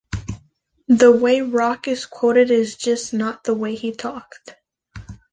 The way Rock is quoted is just not the way he talked.